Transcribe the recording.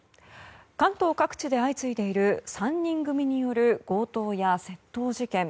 関東各地で相次いでいる３人組による強盗や殺人事件。